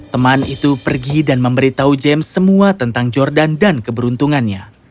teman itu pergi dan memberitahu james semua tentang jordan dan keberuntungannya